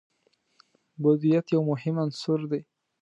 بدویت یو مهم عنصر دی.